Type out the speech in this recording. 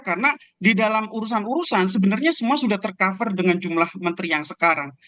karena di dalam urusan urusan sebenarnya semua sudah tercover dengan jumlah menteri yang sekarang